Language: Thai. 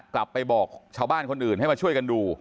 กลับไปบอกชาวบ้านคนอื่นให้มาช่วยกันดู